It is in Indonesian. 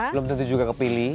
belum tentu juga kepilih